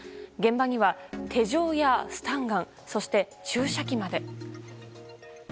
現場には手錠やスタンガンそして注射器まで。